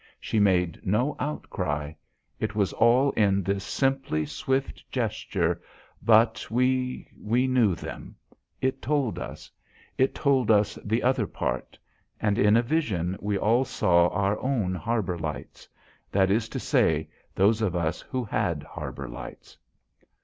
She made no outcry; it was all in this simply swift gesture, but we we knew them. It told us. It told us the other part. And in a vision we all saw our own harbour lights. That is to say those of us who had harbour lights.